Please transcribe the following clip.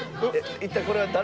一体これは誰の？